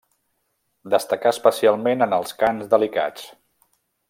Destacà especialment en els cants delicats.